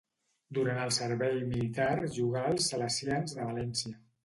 Durant el servei militar jugà als Salesians de València.